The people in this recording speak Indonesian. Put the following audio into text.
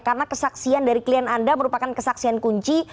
karena kesaksian dari klien anda merupakan kesaksian kunci